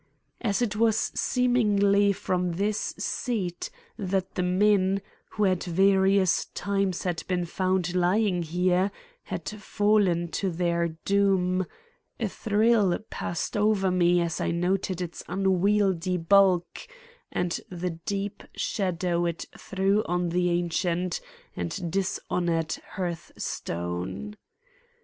As it was seemingly from this seat that the men, who at various times had been found lying here, had fallen to their doom, a thrill passed over me as I noted its unwieldy bulk and the deep shadow it threw on the ancient and dishonored hearthstone.